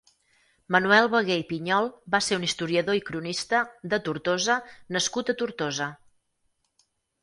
Manuel Beguer i Pinyol va ser un historiador i cronista de Tortosa nascut a Tortosa.